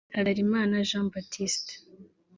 Habyalimana Jean Baptiste